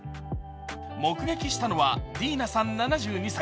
目撃したのはディーナさん７２歳。